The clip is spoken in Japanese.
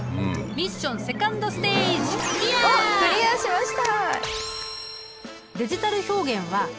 ミッションセカンドステージおっクリアしました！